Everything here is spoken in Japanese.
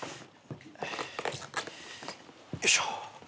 よいしょ。